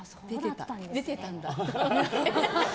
出てたんだって。